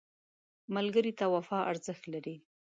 ملګری ته وفا ارزښت لري